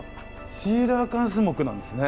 シーラカンス目なんですね。